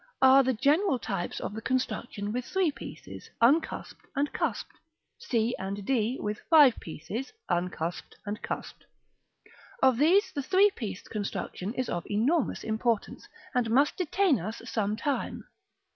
are the general types of the construction with three pieces, uncusped and cusped; c and d with five pieces, uncusped and cusped. Of these the three pieced construction is of enormous importance, and must detain us some time.